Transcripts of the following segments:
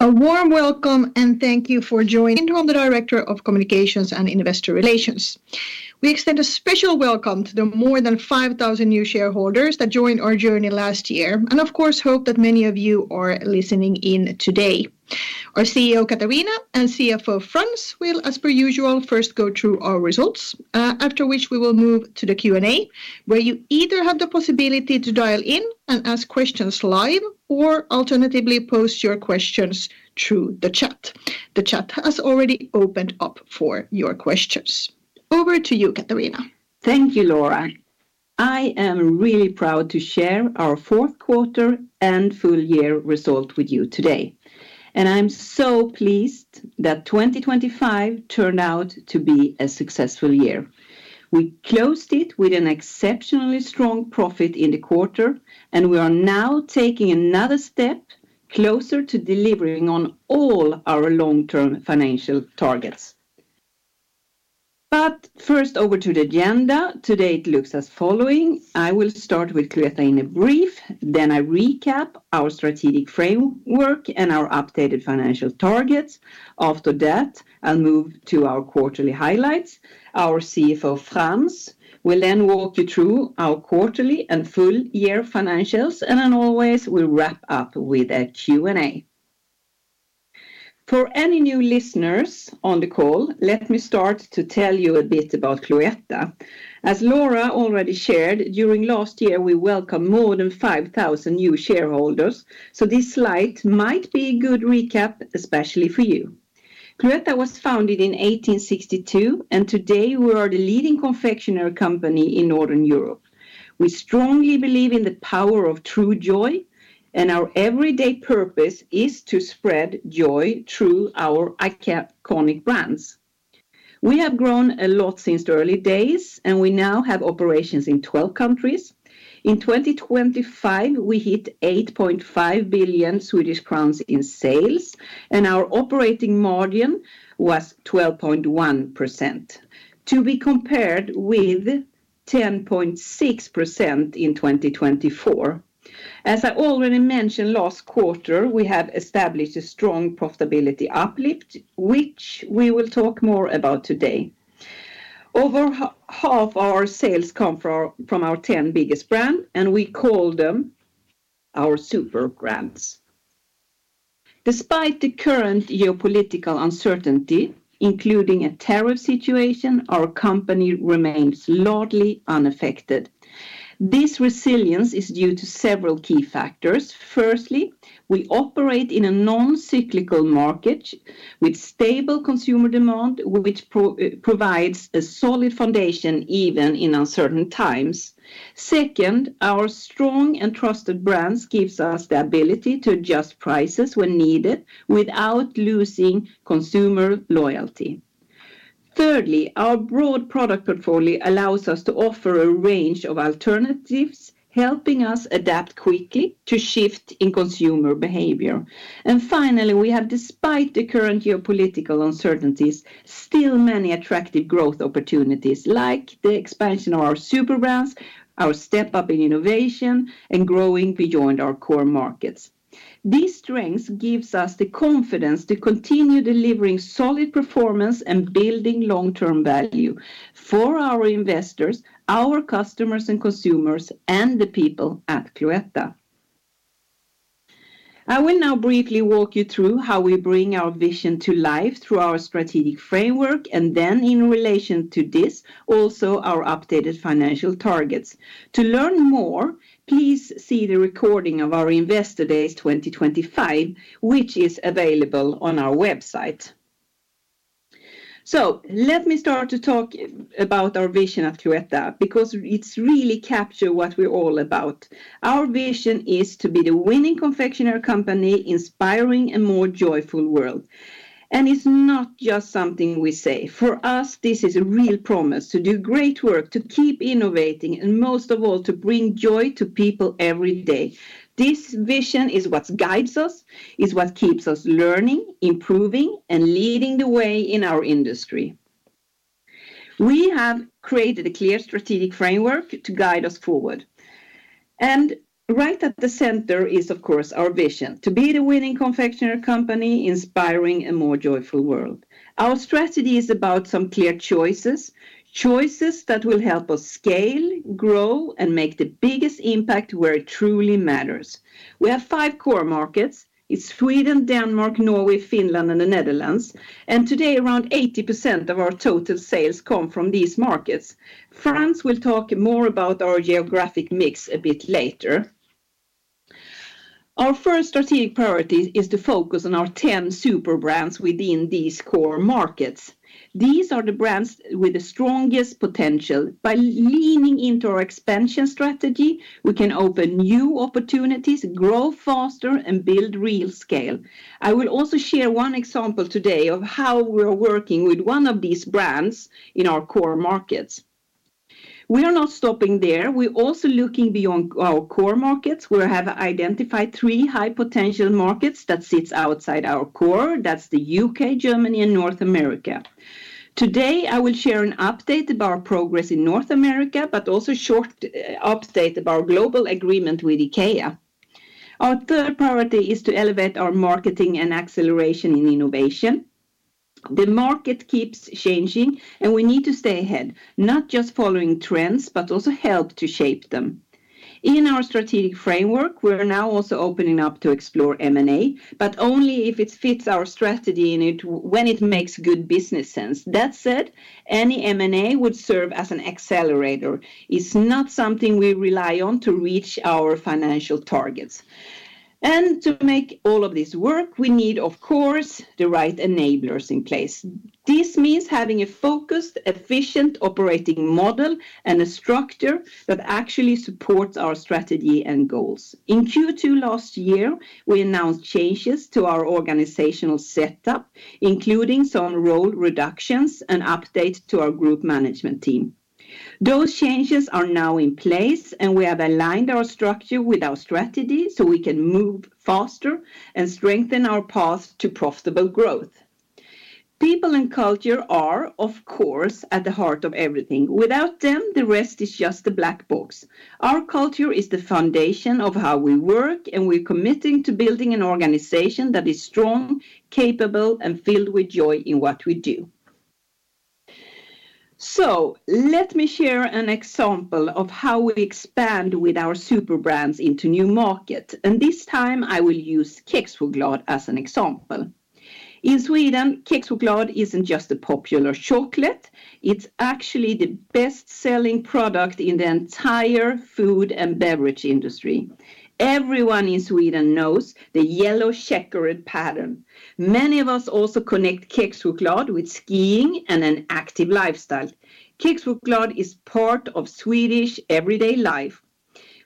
A warm welcome and thank you for joining from the Director of Communications and Investor Relations. We extend a special welcome to the more than 5,000 new shareholders that joined our journey last year and, of course, hope that many of you are listening in today. Our CEO Katarina and CFO Frans will, as per usual, first go through our results, after which we will move to the Q&A, where you either have the possibility to dial in and ask questions live or alternatively post your questions through the chat. The chat has already opened up for your questions. Over to you, Katarina. Thank you, Laura. I am really proud to share our fourth quarter and full year result with you today, and I'm so pleased that 2025 turned out to be a successful year. We closed it with an exceptionally strong profit in the quarter, and we are now taking another step closer to delivering on all our long-term financial targets. But first, over to the agenda. Today it looks as following. I will start with Cloetta in a brief, then I recap our strategic framework and our updated financial targets. After that, I'll move to our quarterly highlights. Our CFO Frans will then walk you through our quarterly and full year financials, and then always we'll wrap up with a Q&A. For any new listeners on the call, let me start to tell you a bit about Cloetta. As Laura already shared, during last year we welcomed more than 5,000 new shareholders, so this slide might be a good recap, especially for you. Cloetta was founded in 1862, and today we are the leading confectionery company in Northern Europe. We strongly believe in the power of true joy, and our everyday purpose is to spread joy through our iconic brands. We have grown a lot since the early days, and we now have operations in 12 countries. In 2025, we hit 8.5 billion Swedish crowns in sales, and our operating margin was 12.1%, to be compared with 10.6% in 2024. As I already mentioned, last quarter we have established a strong profitability uplift, which we will talk more about today. Over half our sales come from our 10 biggest brands, and we call them our Superbrands. Despite the current geopolitical uncertainty, including a tariff situation, our company remains largely unaffected. This resilience is due to several key factors. Firstly, we operate in a non-cyclical market with stable consumer demand, which provides a solid foundation even in uncertain times. Second, our strong and trusted brands give us the ability to adjust prices when needed without losing consumer loyalty. Thirdly, our broad product portfolio allows us to offer a range of alternatives, helping us adapt quickly to shifts in consumer behavior. Finally, we have, despite the current geopolitical uncertainties, still many attractive growth opportunities like the expansion of our Superbrands, our step-up in innovation, and growing beyond our core markets. These strengths give us the confidence to continue delivering solid performance and building long-term value for our investors, our customers and consumers, and the people at Cloetta. I will now briefly walk you through how we bring our vision to life through our strategic framework, and then in relation to this, also our updated financial targets. To learn more, please see the recording of our Investor Days 2025, which is available on our website. Let me start to talk about our vision at Cloetta because it really captures what we're all about. Our vision is to be the winning confectionery company inspiring a more joyful world, and it's not just something we say. For us, this is a real promise to do great work, to keep innovating, and most of all, to bring joy to people every day. This vision is what guides us, is what keeps us learning, improving, and leading the way in our industry. We have created a clear strategic framework to guide us forward. Right at the center is, of course, our vision: to be the winning confectionery company inspiring a more joyful world. Our strategy is about some clear choices, choices that will help us scale, grow, and make the biggest impact where it truly matters. We have five core markets. It's Sweden, Denmark, Norway, Finland, and the Netherlands. And today, around 80% of our total sales come from these markets. Frans will talk more about our geographic mix a bit later. Our first strategic priority is to focus on our 10 Superbrands within these core markets. These are the brands with the strongest potential. By leaning into our expansion strategy, we can open new opportunities, grow faster, and build real scale. I will also share one example today of how we are working with one of these brands in our core markets. We are not stopping there. We're also looking beyond our core markets. We have identified three high-potential markets that sit outside our core. That's the U.K., Germany, and North America. Today, I will share an update about progress in North America, but also a short update about our global agreement with IKEA. Our third priority is to elevate our marketing and acceleration in innovation. The market keeps changing, and we need to stay ahead, not just following trends, but also help to shape them. In our strategic framework, we're now also opening up to explore M&A, but only if it fits our strategy and when it makes good business sense. That said, any M&A would serve as an accelerator. It's not something we rely on to reach our financial targets. To make all of this work, we need, of course, the right enablers in place. This means having a focused, efficient operating model and a structure that actually supports our strategy and goals. In Q2 last year, we announced changes to our organizational setup, including some role reductions and updates to our group management team. Those changes are now in place, and we have aligned our structure with our strategy so we can move faster and strengthen our path to profitable growth. People and culture are, of course, at the heart of everything. Without them, the rest is just a black box. Our culture is the foundation of how we work, and we're committing to building an organization that is strong, capable, and filled with joy in what we do. So let me share an example of how we expand with our Superbrands into new markets, and this time I will use Kexchoklad as an example. In Sweden, Kexchoklad isn't just a popular chocolate. It's actually the best-selling product in the entire food and beverage industry. Everyone in Sweden knows the yellow checkered pattern. Many of us also connect Kexchoklad with skiing and an active lifestyle. Kexchoklad is part of Swedish everyday life.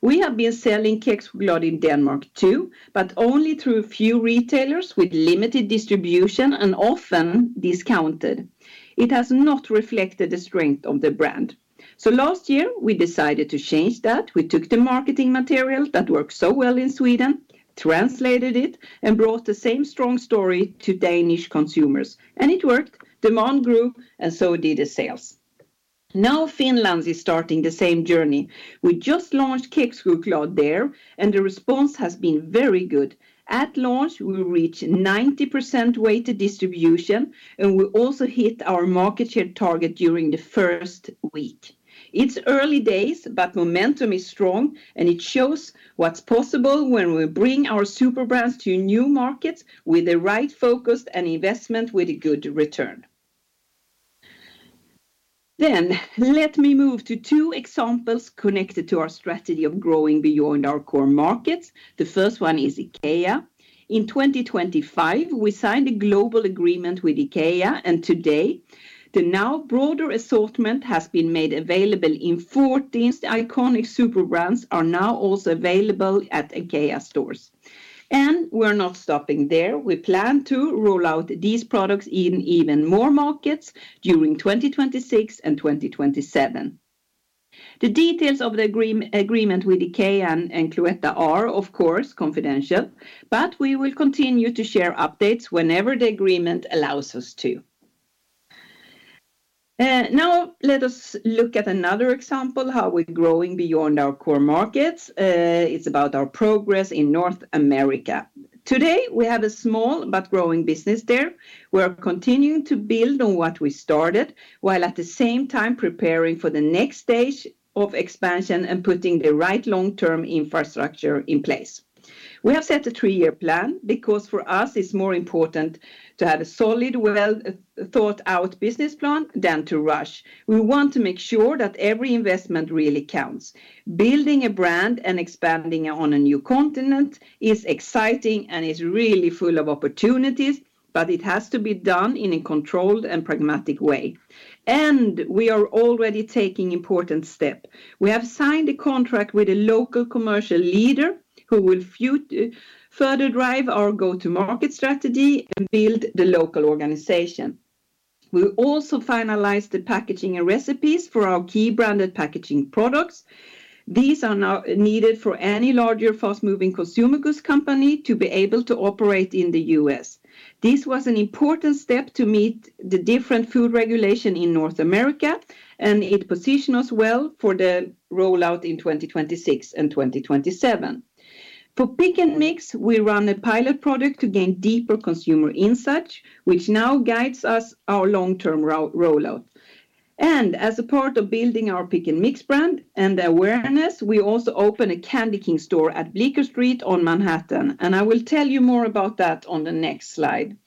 We have been selling Kexchoklad in Denmark too, but only through a few retailers with limited distribution and often discounted. It has not reflected the strength of the brand. So last year, we decided to change that. We took the marketing material that worked so well in Sweden, translated it, and brought the same strong story to Danish consumers. And it worked. Demand grew, and so did the sales. Now Finland is starting the same journey. We just launched Kexchoklad there, and the response has been very good. At launch, we reached 90% weighted distribution, and we also hit our market share target during the first week. It's early days, but momentum is strong, and it shows what's possible when we bring our Superbrands to new markets with the right focus and investment with a good return. Then let me move to two examples connected to our strategy of growing beyond our core markets. The first one is IKEA. In 2025, we signed a global agreement with IKEA, and today the now broader assortment has been made available. 14 iconic Superbrands are now also available at IKEA stores. We're not stopping there. We plan to roll out these products in even more markets during 2026 and 2027. The details of the agreement with IKEA and Cloetta are, of course, confidential, but we will continue to share updates whenever the agreement allows us to. Now let us look at another example of how we're growing beyond our core markets. It's about our progress in North America. Today, we have a small but growing business there. We are continuing to build on what we started, while at the same time preparing for the next stage of expansion and putting the right long-term infrastructure in place. We have set a three-year plan because for us it's more important to have a solid, well-thought-out business plan than to rush. We want to make sure that every investment really counts. Building a brand and expanding on a new continent is exciting and is really full of opportunities, but it has to be done in a controlled and pragmatic way. We are already taking an important step. We have signed a contract with a local commercial leader who will further drive our go-to-market strategy and build the local organization. We also finalized the packaging and recipes for our key branded packaging products. These are now needed for any larger fast-moving consumer goods company to be able to operate in the U.S. This was an important step to meet the different food regulations in North America, and it positioned us well for the rollout in 2026 and 2027. For Pick and Mix, we run a pilot product to gain deeper consumer insights, which now guides our long-term rollout. As a part of building our Pick and Mix brand and awareness, we also opened a Candy King store at Bleecker Street on Manhattan, and I will tell you more about that on the next slide.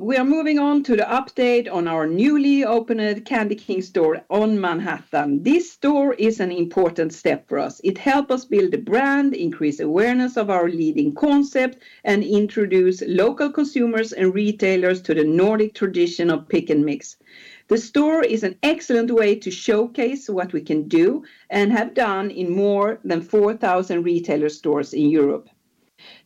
We are moving on to the update on our newly opened Candy King store on Manhattan. This store is an important step for us. It helps us build a brand, increase awareness of our leading concept, and introduce local consumers and retailers to the Nordic tradition of Pick & Mix. The store is an excellent way to showcase what we can do and have done in more than 4,000 retailer stores in Europe.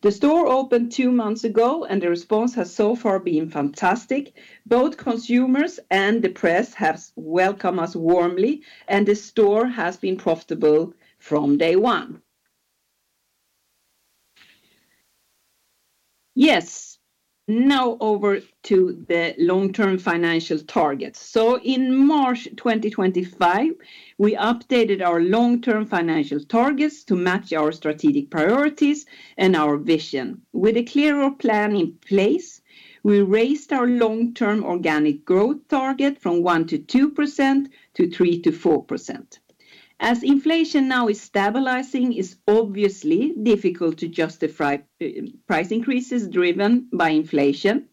The store opened two months ago, and the response has so far been fantastic. Both consumers and the press have welcomed us warmly, and the store has been profitable from day one. Yes. Now over to the long-term financial targets. In March 2025, we updated our long-term financial targets to match our strategic priorities and our vision. With a clearer plan in place, we raised our long-term organic growth target from 1%-2% to 3%-4%. As inflation now is stabilizing, it's obviously difficult to justify price increases driven by inflation.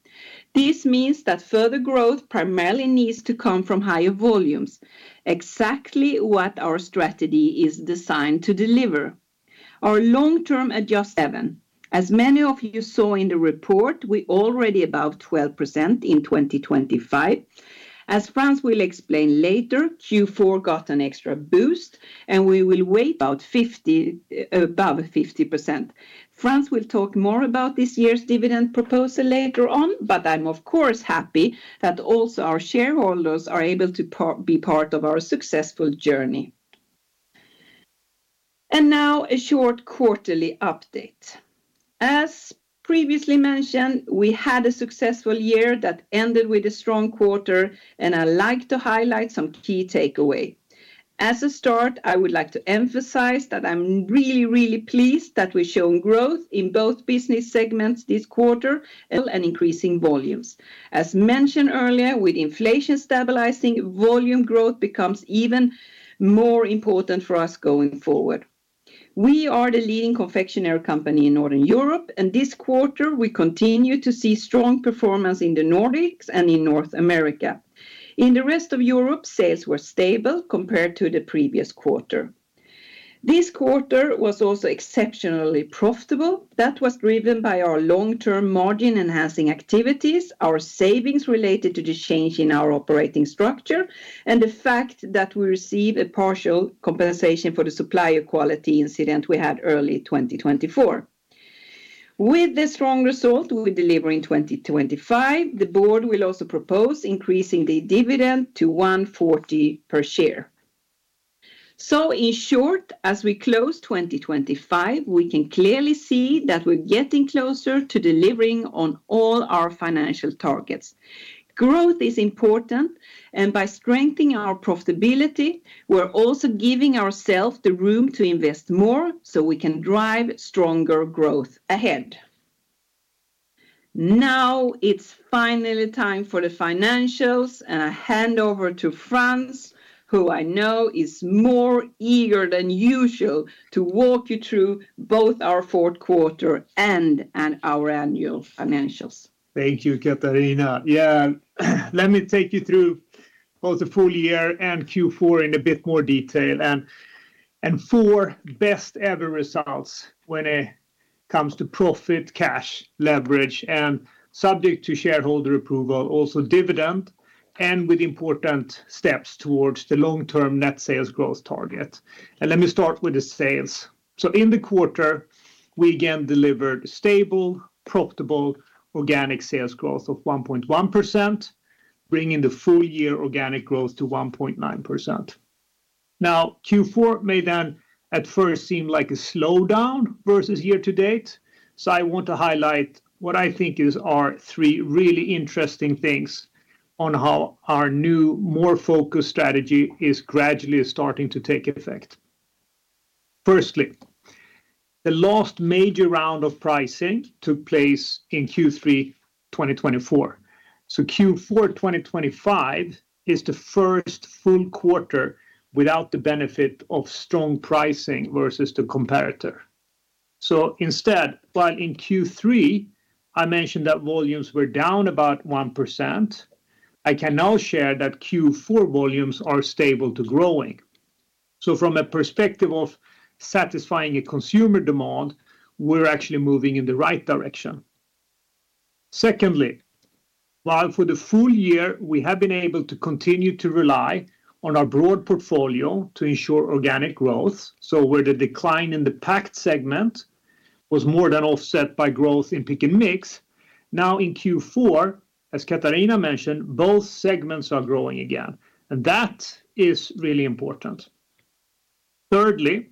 This means that further growth primarily needs to come from higher volumes, exactly what our strategy is designed to deliver. Our long-term adjustment is seven. As many of you saw in the report, we're already above 12% in 2025. As Frans will explain later, Q4 got an extra boost, and we will wait out about 50%. Frans will talk more about this year's dividend proposal later on, but I'm, of course, happy that also our shareholders are able to be part of our successful journey. Now a short quarterly update. As previously mentioned, we had a successful year that ended with a strong quarter, and I'd like to highlight some key takeaways. As a start, I would like to emphasize that I'm really, really pleased that we've shown growth in both business segments this quarter, and increasing volumes. As mentioned earlier, with inflation stabilizing, volume growth becomes even more important for us going forward. We are the leading confectionery company in Northern Europe, and this quarter, we continue to see strong performance in the Nordics and in North America. In the rest of Europe, sales were stable compared to the previous quarter. This quarter was also exceptionally profitable. That was driven by our long-term margin-enhancing activities, our savings related to the change in our operating structure, and the fact that we received a partial compensation for the supplier quality incident we had early 2024. With the strong result we deliver in 2025, the board will also propose increasing the dividend to 1.40 per share. So in short, as we close 2025, we can clearly see that we're getting closer to delivering on all our financial targets. Growth is important, and by strengthening our profitability, we're also giving ourselves the room to invest more so we can drive stronger growth ahead. Now it's finally time for the financials, and I hand over to Frans, who I know is more eager than usual to walk you through both our fourth quarter and our annual financials. Thank you, Katarina. Yeah, let me take you through both the full year and Q4 in a bit more detail and four best-ever results when it comes to profit, cash, leverage, and subject to shareholder approval, also dividend, and with important steps towards the long-term net sales growth target. And let me start with the sales. So in the quarter, we again delivered stable, profitable, organic sales growth of 1.1%, bringing the full year organic growth to 1.9%. Now, Q4 may then at first seem like a slowdown versus year-to-date, so I want to highlight what I think are three really interesting things on how our new, more focused strategy is gradually starting to take effect. Firstly, the last major round of pricing took place in Q3 2024. So Q4 2025 is the first full quarter without the benefit of strong pricing versus the comparator. So instead, while in Q3 I mentioned that volumes were down about 1%, I can now share that Q4 volumes are stable to growing. So from a perspective of satisfying consumer demand, we're actually moving in the right direction. Secondly, while for the full year we have been able to continue to rely on our broad portfolio to ensure organic growth, so where the decline in the packed segment was more than offset by growth in Pick and Mix, now in Q4, as Katarina mentioned, both segments are growing again, and that is really important. Thirdly,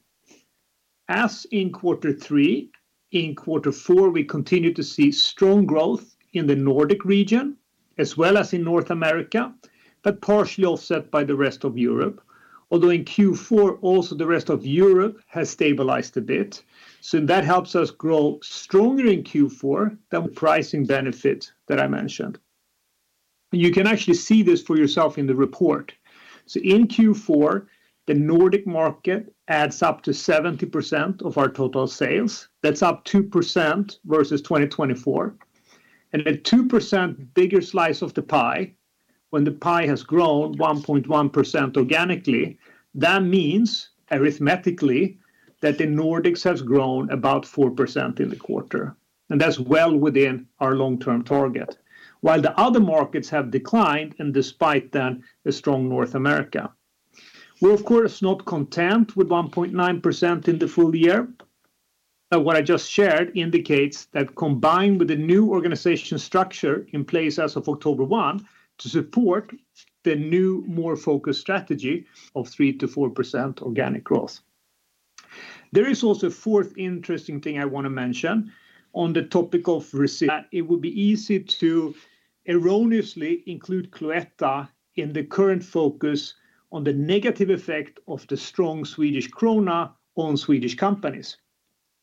as in quarter three, in quarter four we continue to see strong growth in the Nordic region as well as in North America, but partially offset by the rest of Europe, although in Q4 also the rest of Europe has stabilized a bit. So that helps us grow stronger in Q4 than the pricing benefit that I mentioned. You can actually see this for yourself in the report. So in Q4, the Nordic market adds up to 70% of our total sales. That's up 2% versus 2024. And a 2% bigger slice of the pie, when the pie has grown 1.1% organically, that means arithmetically that the Nordics have grown about 4% in the quarter, and that's well within our long-term target, while the other markets have declined and despite that a strong North America. We're, of course, not content with 1.9% in the full year. What I just shared indicates that combined with the new organization structure in place as of October 1st to support the new, more focused strategy of 3%-4% organic growth. There is also a fourth interesting thing I want to mention on the topic of that it would be easy to erroneously include Cloetta in the current focus on the negative effect of the strong Swedish krona on Swedish companies.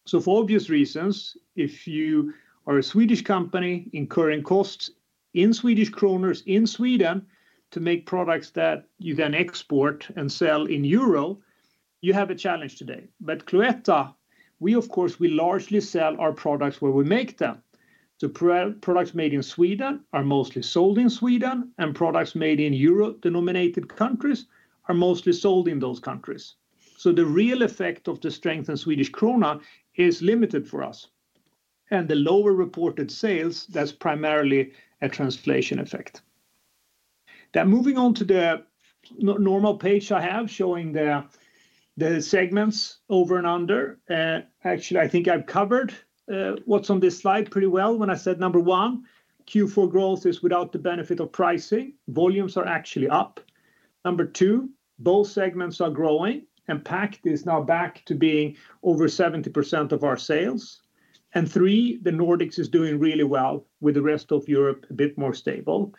So for obvious reasons, if you are a Swedish company incurring costs in Swedish kronor in Sweden to make products that you then export and sell in euro, you have a challenge today. But Cloetta, we, of course, largely sell our products where we make them. So products made in Sweden are mostly sold in Sweden, and products made in euro-denominated countries are mostly sold in those countries. So the real effect of the strengthened Swedish krona is limited for us, and the lower reported sales, that's primarily a translation effect. Now moving on to the normal page I have showing the segments over and under. Actually, I think I've covered what's on this slide pretty well when I said number one, Q4 growth is without the benefit of pricing. Volumes are actually up. Number two, both segments are growing, and packed is now back to being over 70% of our sales. And three, the Nordics is doing really well, with the rest of Europe a bit more stable.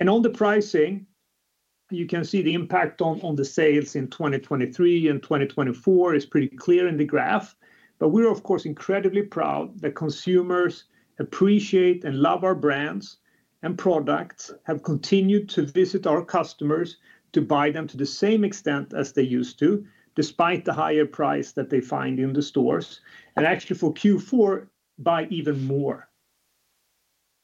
And on the pricing, you can see the impact on the sales in 2023 and 2024 is pretty clear in the graph. But we're, of course, incredibly proud that consumers appreciate and love our brands and products, have continued to visit our customers to buy them to the same extent as they used to, despite the higher price that they find in the stores. And actually, for Q4, buy even more.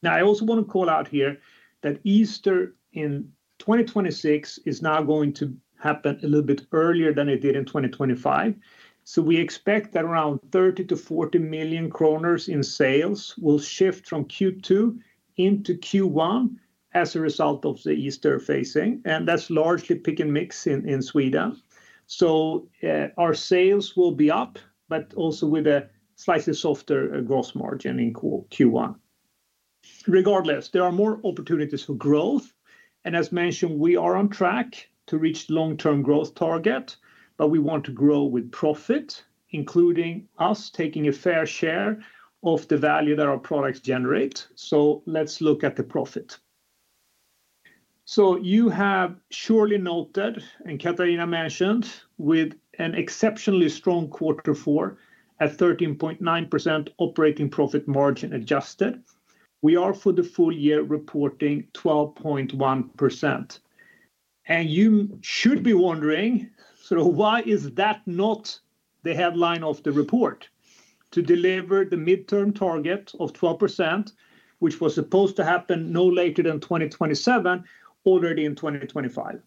Now, I also want to call out here that Easter in 2026 is now going to happen a little bit earlier than it did in 2025. So we expect that around 30 million-40 million kronor in sales will shift from Q2 into Q1 as a result of the Easter phasing, and that's largely Pick & Mix in Sweden. So our sales will be up, but also with a slightly softer gross margin in Q1. Regardless, there are more opportunities for growth, and as mentioned, we are on track to reach the long-term growth target, but we want to grow with profit, including us taking a fair share of the value that our products generate. So let's look at the profit. So you have surely noted, and Katarina mentioned, with an exceptionally strong quarter four at 13.9% operating profit margin adjusted, we are for the full year reporting 12.1%. And you should be wondering, so why is that not the headline of the report? To deliver the midterm target of 12%, which was supposed to happen no later than 2027, already in 2025.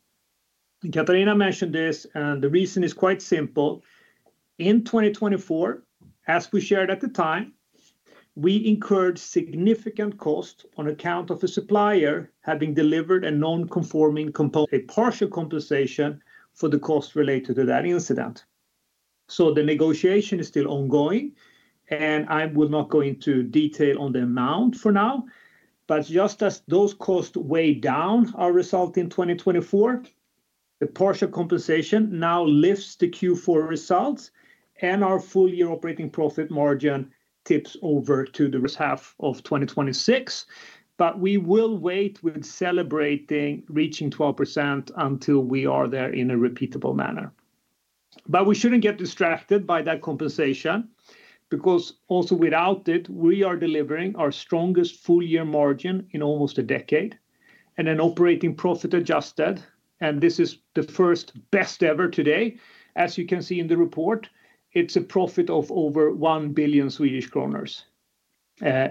Katarina mentioned this, and the reason is quite simple. In 2024, as we shared at the time, we incurred significant costs on account of a supplier having delivered a non-conforming component. A partial compensation for the costs related to that incident. The negotiation is still ongoing, and I will not go into detail on the amount for now. Just as those costs weigh down our result in 2024, the partial compensation now lifts the Q4 results, and our full-year operating profit margin tips over to the first half of 2026. We will wait with celebrating reaching 12% until we are there in a repeatable manner. We shouldn't get distracted by that compensation because also without it, we are delivering our strongest full-year margin in almost a decade and an operating profit adjusted. This is the first best ever today. As you can see in the report, it's a profit of over 1 billion Swedish kronor.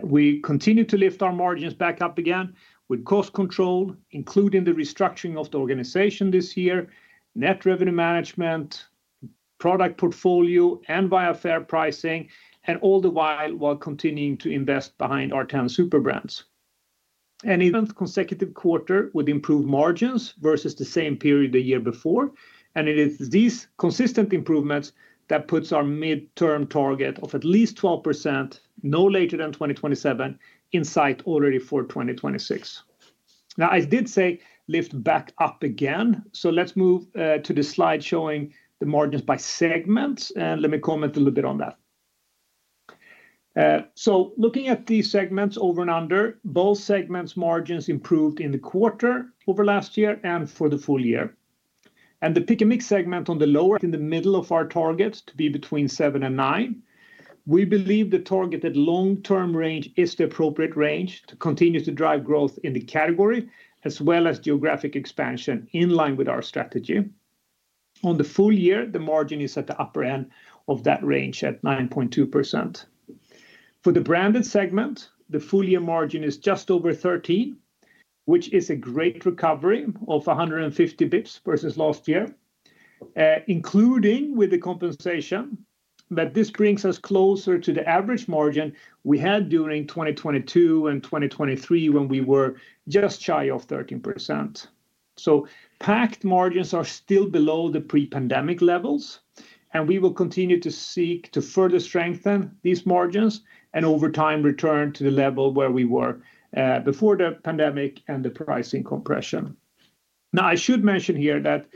We continue to lift our margins back up again with cost control, including the restructuring of the organization this year, net revenue management, product portfolio, and via fair pricing, and all the while while continuing to invest behind our 10 Superbrands. Consecutive quarter with improved margins versus the same period the year before. It is these consistent improvements that put our midterm target of at least 12%, no later than 2027, in sight already for 2026. Now, I did say lift back up again, so let's move to the slide showing the margins by segments, and let me comment a little bit on that. So looking at these segments over and under, both segments' margins improved in the quarter over last year and for the full year. And the Pick & Mix segment on the lower. In the middle of our target to be between 7%-9%. We believe the targeted long-term range is the appropriate range to continue to drive growth in the category as well as geographic expansion in line with our strategy. On the full year, the margin is at the upper end of that range at 9.2%. For the branded segment, the full-year margin is just over 13%, which is a great recovery of 150 bips versus last year, including with the compensation. This brings us closer to the average margin we had during 2022 and 2023 when we were just shy of 13%. Packed margins are still below the pre-pandemic levels, and we will continue to seek to further strengthen these margins and over time return to the level where we were before the pandemic and the pricing compression. Now, I should mention here that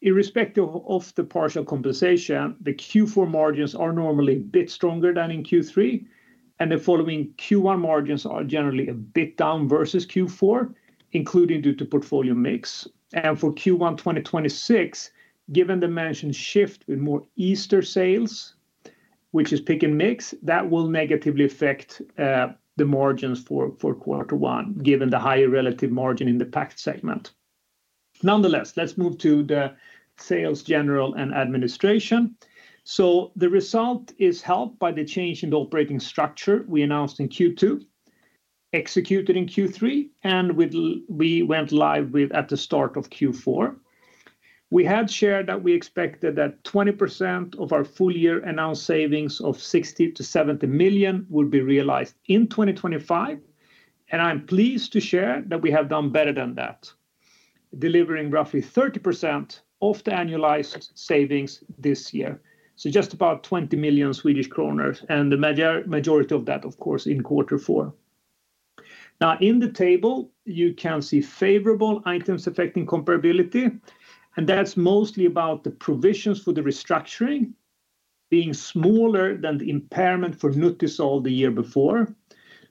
irrespective of the partial compensation, the Q4 margins are normally a bit stronger than in Q3, and the following Q1 margins are generally a bit down versus Q4, including due to portfolio mix. For Q1 2026, given the mentioned shift with more Easter sales, which is Pick & Mix, that will negatively affect the margins for quarter one given the higher relative margin in the packed segment. Nonetheless, let's move to the sales general and administration. So the result is helped by the change in the operating structure we announced in Q2, executed in Q3, and we went live at the start of Q4. We had shared that we expected that 20% of our full year announced savings of 60-70 million would be realized in 2025, and I'm pleased to share that we have done better than that, delivering roughly 30% of the annualized savings this year, so just about 20 million Swedish kronor, and the majority of that, of course, in quarter four. Now, in the table, you can see favorable items affecting comparability, and that's mostly about the provisions for the restructuring being smaller than the impairment for Nutisal the year before.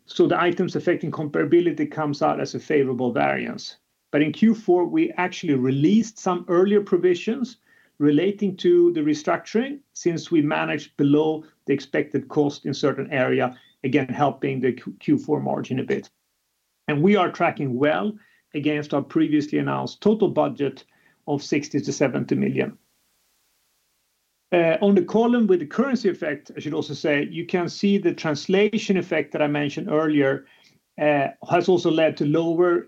So the items affecting comparability comes out as a favorable variance. But in Q4, we actually released some earlier provisions relating to the restructuring since we managed below the expected cost in certain area, again helping the Q4 margin a bit. We are tracking well against our previously announced total budget of 60 million-70 million. On the column with the currency effect, I should also say, you can see the translation effect that I mentioned earlier has also led to lower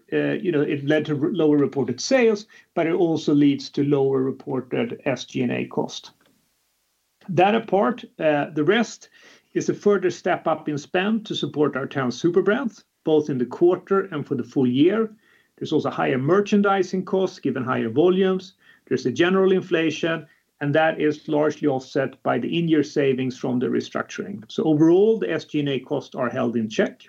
reported sales, but it also leads to lower reported SG&A cost. That apart, the rest is a further step up in spend to support our 10 Superbrands, both in the quarter and for the full year. There's also higher merchandising costs given higher volumes. There's a general inflation, and that is largely offset by the in-year savings from the restructuring. So overall, the SG&A costs are held in check.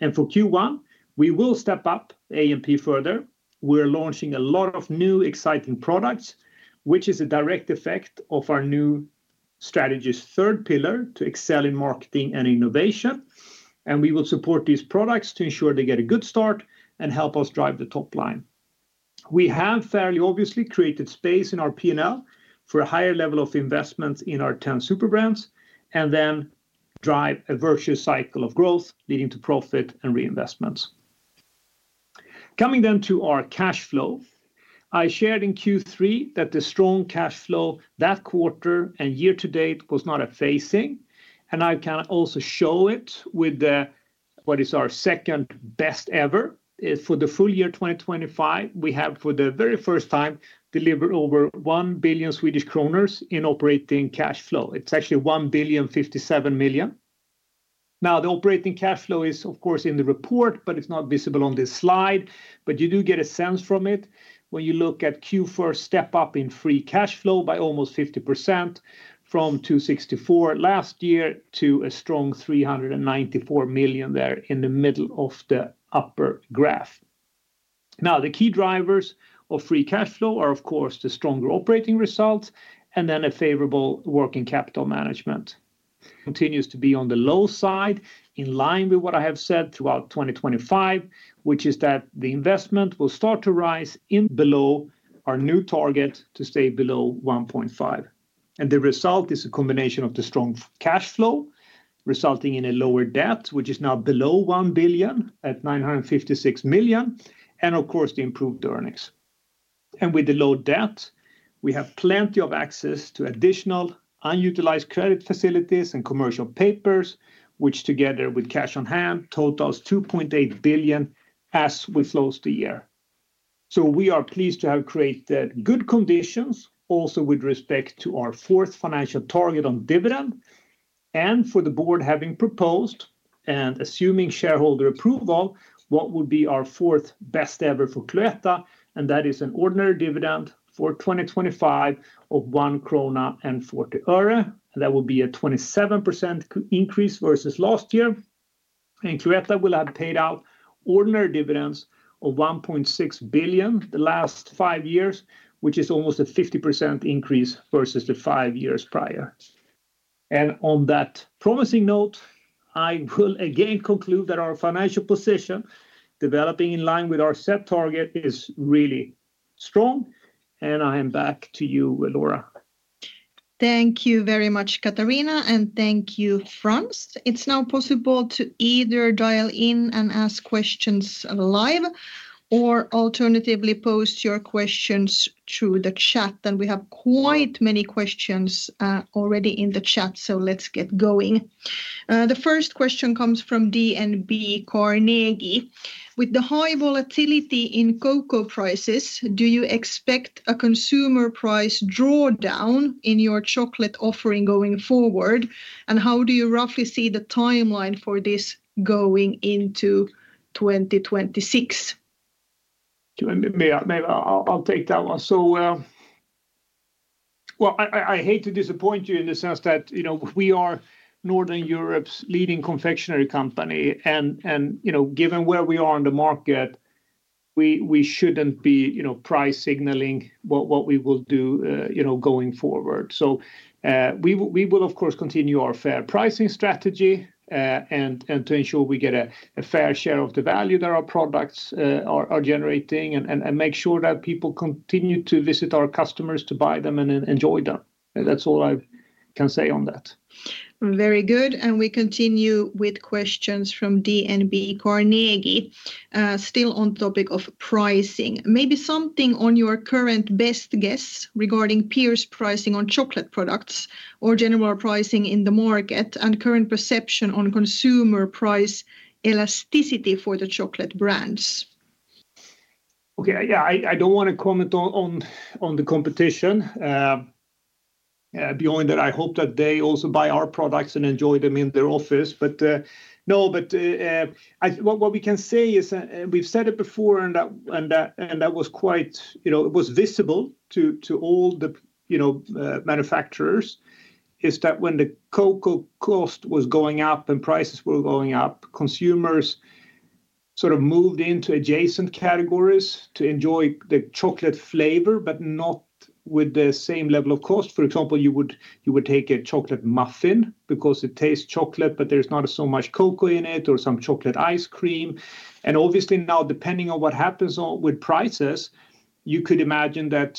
For Q1, we will step up A&P further. We're launching a lot of new exciting products, which is a direct effect of our new strategy's third pillar to excel in marketing and innovation. And we will support these products to ensure they get a good start and help us drive the top line. We have fairly obviously created space in our P&L for a higher level of investments in our 10 Superbrands and then drive a virtuous cycle of growth leading to profit and reinvestments. Coming then to our cash flow, I shared in Q3 that the strong cash flow that quarter and year to date was not a phasing, and I can also show it with what is our second best ever. For the full year 2025, we have for the very first time delivered over 1 billion Swedish kronor in operating cash flow. It's actually 1,057 million. Now, the operating cash flow is, of course, in the report, but it's not visible on this slide. But you do get a sense from it when you look at Q1's step up in free cash flow by almost 50% from 264 million last year to a strong 394 million there in the middle of the upper graph. Now, the key drivers of free cash flow are, of course, the stronger operating results and then a favorable working capital management. Continues to be on the low side in line with what I have said throughout 2025, which is that the investment will start to rise below our new target to stay below 1.5. And the result is a combination of the strong cash flow resulting in a lower debt, which is now below 1 billion at 956 million, and of course, the improved earnings. With the low debt, we have plenty of access to additional unutilized credit facilities and commercial papers, which together with cash on hand totals 2.8 billion as we close the year. So we are pleased to have created good conditions also with respect to our fourth financial target on dividend. For the board having proposed and assuming shareholder approval, what would be our fourth best ever for Cloetta, and that is an ordinary dividend for 2025 of SEK 1.40. That would be a 27% increase versus last year. Cloetta will have paid out ordinary dividends of 1.6 billion the last five years, which is almost a 50% increase versus the five years prior. On that promising note, I will again conclude that our financial position developing in line with our set target is really strong. I am back to you, Laura. Thank you very much, Katarina, and thank you, Frans. It's now possible to either dial in and ask questions live or alternatively post your questions through the chat. We have quite many questions already in the chat, so let's get going. The first question comes from DNB Carnegie. With the high volatility in cocoa prices, do you expect a consumer price drawdown in your chocolate offering going forward, and how do you roughly see the timeline for this going into 2026? Do you want me? Maybe I'll take that one. So well, I hate to disappoint you in the sense that we are Northern Europe's leading confectionery company, and given where we are in the market, we shouldn't be price signaling what we will do going forward. So we will, of course, continue our fair pricing strategy and to ensure we get a fair share of the value that our products are generating and make sure that people continue to visit our customers to buy them and enjoy them. That's all I can say on that. Very good, and we continue with questions from DNB Carnegie. Still on topic of pricing, maybe something on your current best guess regarding peers' pricing on chocolate products or general pricing in the market and current perception on consumer price elasticity for the chocolate brands? Okay, yeah, I don't want to comment on the competition. Beyond that, I hope that they also buy our products and enjoy them in their office. But no, but what we can say is we've said it before, and that was quite it was visible to all the manufacturers, is that when the cocoa cost was going up and prices were going up, consumers sort of moved into adjacent categories to enjoy the chocolate flavor but not with the same level of cost. For example, you would take a chocolate muffin because it tastes chocolate, but there's not so much cocoa in it or some chocolate ice cream. And obviously now, depending on what happens with prices, you could imagine that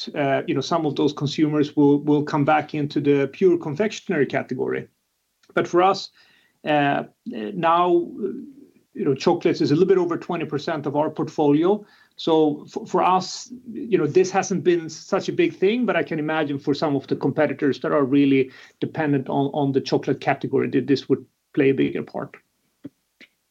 some of those consumers will come back into the pure confectionery category. But for us now, chocolates is a little bit over 20% of our portfolio. For us, this hasn't been such a big thing, but I can imagine for some of the competitors that are really dependent on the chocolate category, this would play a bigger part.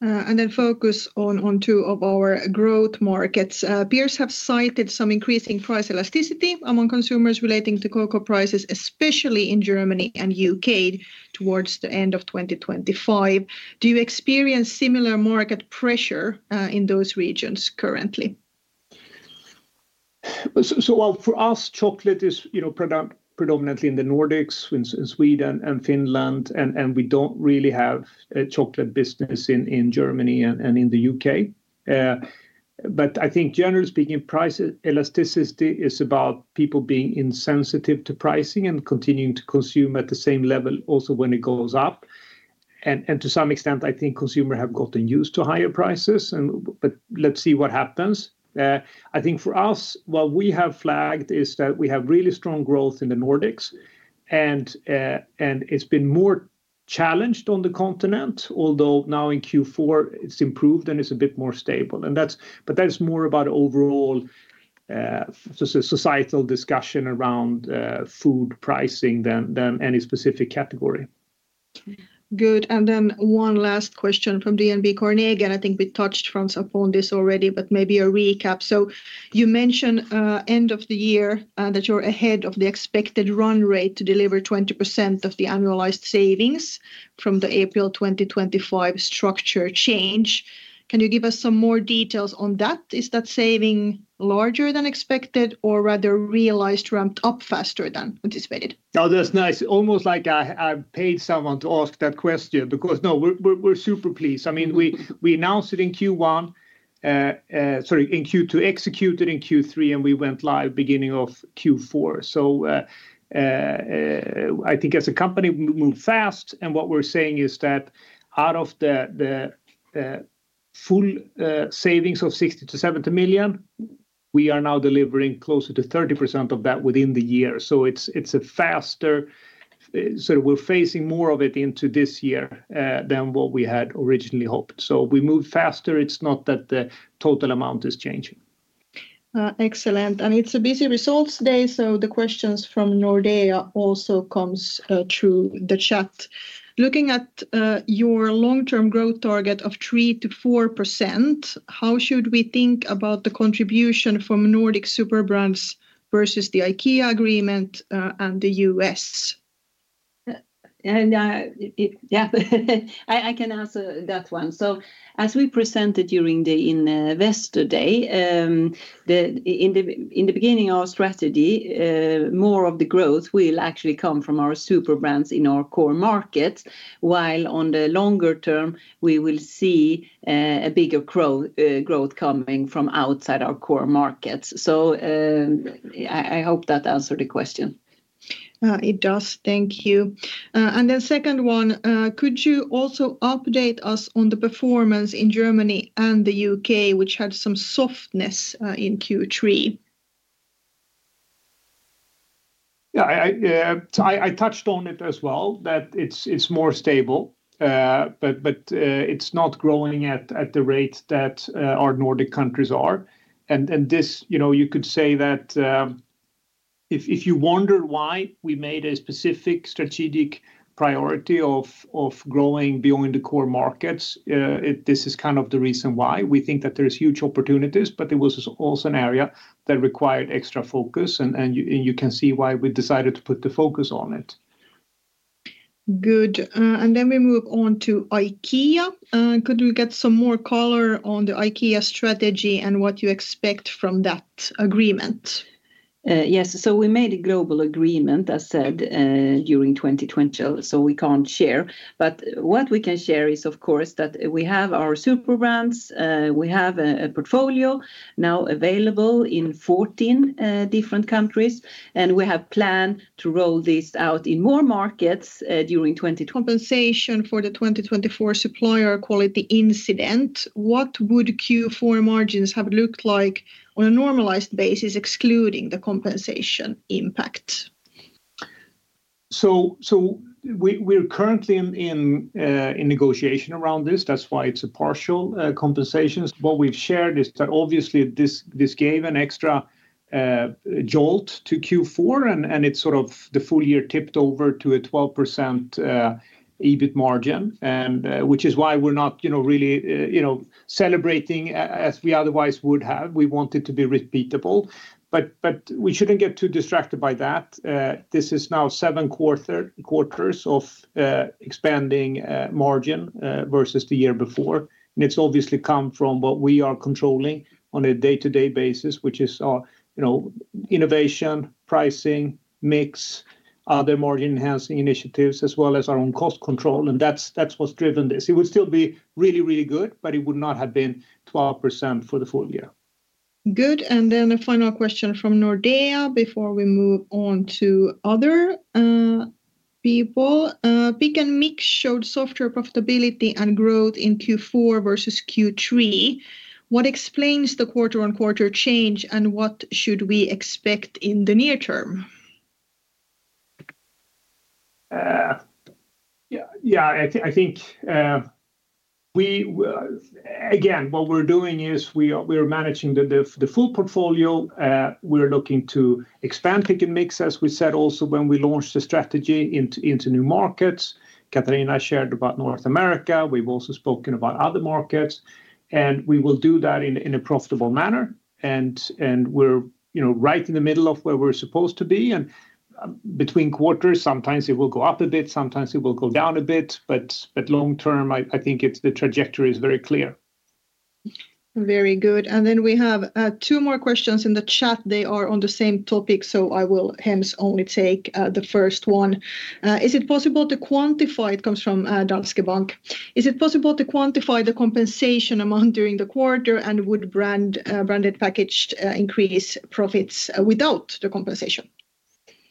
And then focus on two of our growth markets. Peers have cited some increasing price elasticity among consumers relating to cocoa prices, especially in Germany and U.K. towards the end of 2025. Do you experience similar market pressure in those regions currently? So while for us, chocolate is predominantly in the Nordics, in Sweden and Finland, and we don't really have a chocolate business in Germany and in the U.K., But I think generally speaking, price elasticity is about people being insensitive to pricing and continuing to consume at the same level also when it goes up. And to some extent, I think consumers have gotten used to higher prices, but let's see what happens. I think for us, what we have flagged is that we have really strong growth in the Nordics, and it's been more challenged on the continent, although now in Q4 it's improved and it's a bit more stable. But that's more about overall societal discussion around food pricing than any specific category. Good. And then one last question from DNB Carnegie. And I think we touched, Frans, upon this already, but maybe a recap. So you mentioned end of the year that you're ahead of the expected run rate to deliver 20% of the annualized savings from the April 2025 structure change. Can you give us some more details on that? Is that saving larger than expected or rather realized ramped up faster than anticipated? Oh, that's nice. Almost like I paid someone to ask that question because no, we're super pleased. I mean, we announced it in Q1, sorry, in Q2, executed in Q3, and we went live beginning of Q4. So I think as a company, we move fast. And what we're saying is that out of the full savings of 60 million-70 million, we are now delivering closer to 30% of that within the year. So it's a faster sort of we're facing more of it into this year than what we had originally hoped. So we move faster. It's not that the total amount is changing. Excellent. And it's a busy results day, so the questions from Nordea also come through the chat. Looking at your long-term growth target of 3%-4%, how should we think about the contribution from Nordic Superbrands versus the IKEA agreement and the U.S.? Yeah, I can answer that one. So as we presented during the investor day, in the beginning of our strategy, more of the growth will actually come from our Superbrands in our core markets, while on the longer term, we will see a bigger growth coming from outside our core markets. So I hope that answered the question. It does. Thank you. And then second one, could you also update us on the performance in Germany and the U.K., which had some softness in Q3? Yeah, I touched on it as well, that it's more stable, but it's not growing at the rate that our Nordic countries are. And you could say that if you wonder why we made a specific strategic priority of growing beyond the core markets, this is kind of the reason why. We think that there are huge opportunities, but it was also an area that required extra focus, and you can see why we decided to put the focus on it. Good. And then we move on to IKEA. Could we get some more color on the IKEA strategy and what you expect from that agreement? Yes. So we made a global agreement, as said, during 2020. So we can't share. But what we can share is, of course, that we have our Superbrands. We have a portfolio now available in 14 different countries, and we have planned to roll this out in more markets during. Compensation for the 2024 supplier quality incident, what would Q4 margins have looked like on a normalized basis, excluding the compensation impact? So we're currently in negotiation around this. That's why it's a partial compensation. What we've shared is that obviously this gave an extra jolt to Q4, and it's sort of the full year tipped over to a 12% EBIT margin, which is why we're not really celebrating as we otherwise would have. We want it to be repeatable. But we shouldn't get too distracted by that. This is now seven quarters of expanding margin versus the year before. And it's obviously come from what we are controlling on a day-to-day basis, which is innovation, pricing, mix, other margin-enhancing initiatives, as well as our own cost control. And that's what's driven this. It would still be really, really good, but it would not have been 12% for the full year. Good. And then a final question from Nordea before we move on to other people. Pick & Mix showed softer profitability and growth in Q4 versus Q3. What explains the quarter-on-quarter change, and what should we expect in the near term? Yeah, I think again, what we're doing is we are managing the full portfolio. We're looking to expand pick and mix, as we said, also when we launched the strategy into new markets. Katarina shared about North America. We've also spoken about other markets. We will do that in a profitable manner. We're right in the middle of where we're supposed to be. Between quarters, sometimes it will go up a bit, sometimes it will go down a bit. But long term, I think the trajectory is very clear. Very good. And then we have two more questions in the chat. They are on the same topic, so I will hence only take the first one. Is it possible to quantify? It comes from Danske Bank. Is it possible to quantify the compensation amount during the quarter, and would branded package increase profits without the compensation?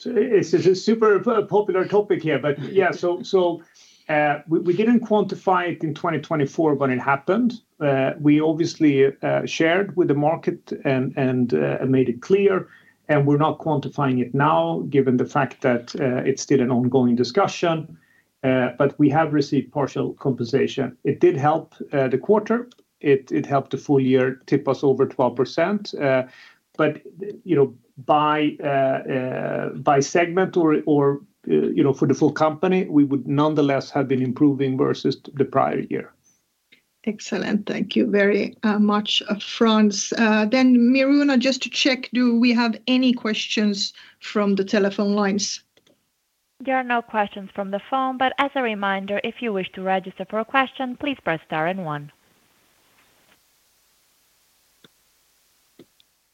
So it's a super popular topic here, but yeah, so we didn't quantify it in 2024 when it happened. We obviously shared with the market and made it clear. And we're not quantifying it now given the fact that it's still an ongoing discussion. But we have received partial compensation. It did help the quarter. It helped the full year tip us over 12%. But by segment or for the full company, we would nonetheless have been improving versus the prior year. Excellent. Thank you very much, Frans. Miruna, just to check, do we have any questions from the telephone lines? There are no questions from the phone, but as a reminder, if you wish to register for a question, please press star and one.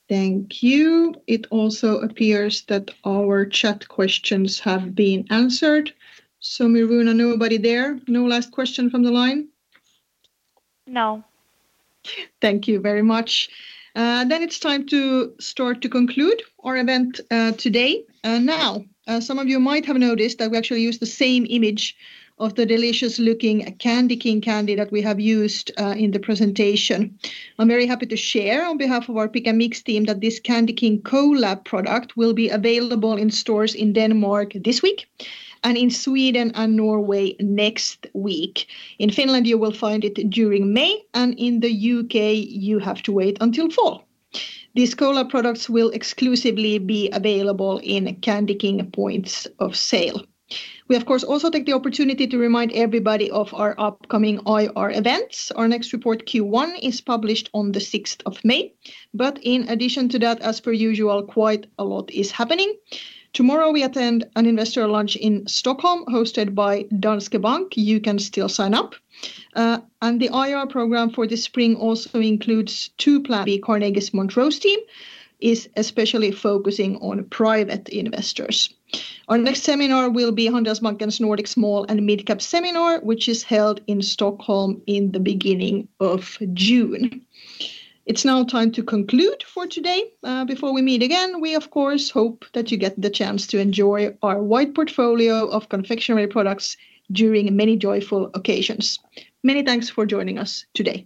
Thank you. It also appears that our chat questions have been answered. So Miruna, nobody there? No last question from the line? No. Thank you very much. Then it's time to start to conclude our event today. Now, some of you might have noticed that we actually used the same image of the delicious-looking Candy King candy that we have used in the presentation. I'm very happy to share on behalf of our Pick and Mix team that this Candy King collab product will be available in stores in Denmark this week and in Sweden and Norway next week. In Finland, you will find it during May, and in the U.K., you have to wait until fall. These collab products will exclusively be available in Candy King points of sale. We, of course, also take the opportunity to remind everybody of our upcoming IR events. Our next report, Q1, is published on the May 6th. But in addition to that, as per usual, quite a lot is happening. Tomorrow, we attend an investor launch in Stockholm hosted by Danske Bank. You can still sign up. The IR program for this spring also includes two plans. The Carnegie-Smith-Rose team is especially focusing on private investors. Our next seminar will be Handelsbanken's Nordic Small and Midcap seminar, which is held in Stockholm in the beginning of June. It's now time to conclude for today. Before we meet again, we, of course, hope that you get the chance to enjoy our wide portfolio of confectionery products during many joyful occasions. Many thanks for joining us today.